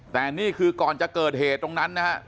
แต่นี่คือก่อนจะเกิดเหตุตรงนั้นนะฮะ